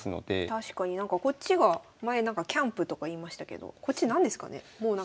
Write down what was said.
確かになんかこっちが前なんかキャンプとか言いましたけどこっち何ですかねもうなんか。